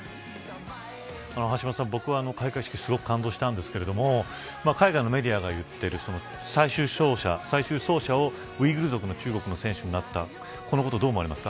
橋下さん、僕は開会式すごく感動したんですけど海外のメディアが言っている最終走者をウイグル族の中国の選手になった。